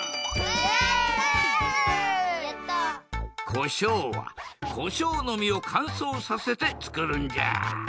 こしょうはこしょうの実をかんそうさせてつくるんじゃ。